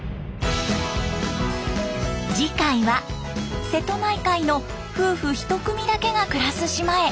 次回は瀬戸内海の夫婦１組だけが暮らす島へ。